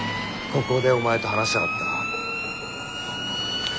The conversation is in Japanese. ここでお前と話したかった。